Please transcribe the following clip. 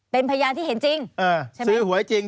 เป็นพยานที่เห็นจริง